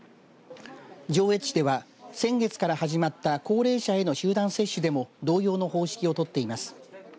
上越市では、先月から始まった高齢者への集団接種でも同様の方式をとっています。